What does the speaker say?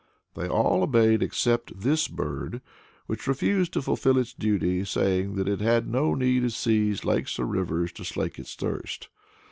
They all obeyed except this bird, which refused to fulfil its duty, saying that it had no need of seas, lakes or rivers, to slake its thirst.